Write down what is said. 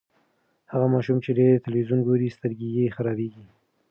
هغه ماشوم چې ډېر تلویزیون ګوري، سترګې یې خرابیږي.